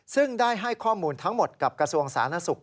ซึ่งได้ให้ข้อมูลทั้งหมดกับกระทรวงสาธารณสุข